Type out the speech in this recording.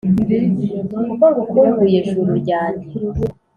Kuko ngukumbuye Juru ryanjye.